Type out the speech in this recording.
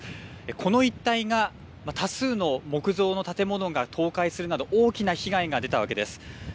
この一帯が多数の木造の建物が倒壊するなど大きな被害が出たわけです。